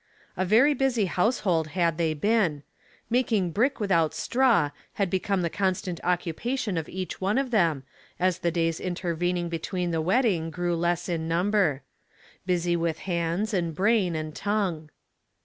A very busy household had they been. " Mak ing brick without straw " had become the con stant occupation of each one of them, as the days intervening between the wedding grew less in number. Busy with hands, and brain, and tongue.